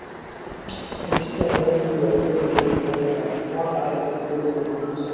Katika mwezi wa kumi na moja mwaka elfu mbili na sita